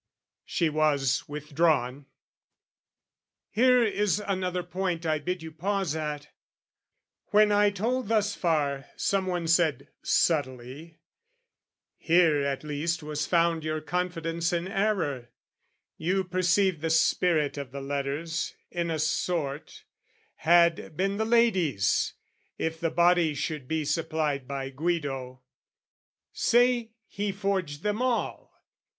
She was withdrawn. Here is another point I bid you pause at. When I told thus far, Someone said, subtly, "Here at least was found "Your confidence in error, you perceived "The spirit of the letters, in a sort, "Had been the lady's, if the body should be "Supplied by Guido: say, he forged them all!